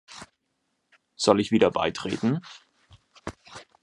Soll ich wieder beitreten?